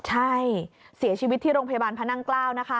ใช่เสียชีวิตที่รงพยาบาลพนานเกล้า